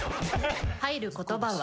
入る言葉は？